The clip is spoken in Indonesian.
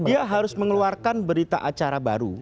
dia harus mengeluarkan berita acara baru